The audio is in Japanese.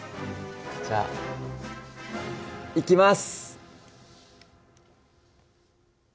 じゃあいきます！